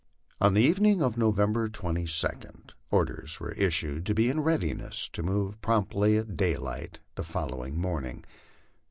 On the evening of November 22d, orders were issued to be in readiness to move promptly at daylight the following morning.